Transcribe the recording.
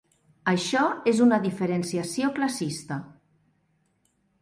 Això és una diferenciació classista.